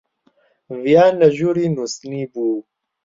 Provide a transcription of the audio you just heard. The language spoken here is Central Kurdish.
ڤیان لە ژووری نووستنی بوو.